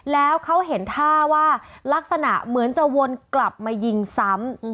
แล้วเขาเห็นท่าว่าลักษณะเหมือนจะวนกลับมายิงซ้ำ